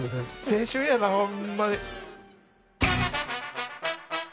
青春やなほんまに。